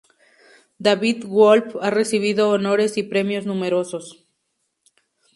David Wolf ha recibido honores y premios numerosos.